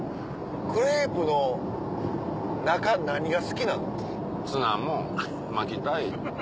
クレープの中何が好きなの？